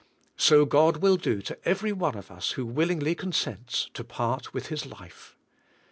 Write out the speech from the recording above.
So God will do to every one of us who willingly consents to part with his life.